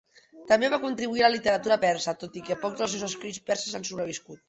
També va contribuir a la literatura persa, tot i que pocs dels seus escrits perses han sobreviscut.